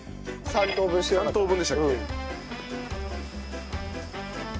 ３等分でしたっけ？